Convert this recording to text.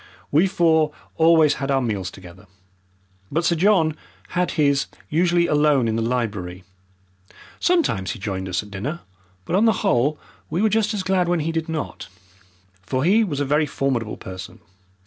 We four always had our meals together, but Sir John had his usually alone in the library. Sometimes he joined us at dinner, but on the whole we were just as glad when he did not. For he was a very formidable person.